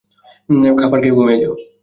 খাবার খেয়ে ঘুমিয়ে যেয়ো।